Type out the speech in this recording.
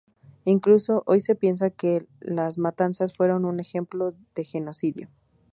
Incluso hoy se piensa que las matanzas fueron un ejemplo de genocidio.